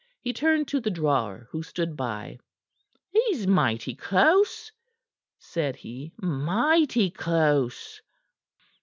He turned to the drawer who stood by. "He's mighty close," said he. "Mighty close!"